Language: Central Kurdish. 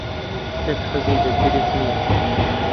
کەس حەزی لە جرج نییە.